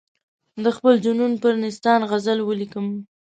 د خپل جنون پر نیستان غزل ولیکم.